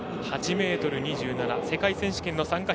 ８ｍ２７、世界選手権の参加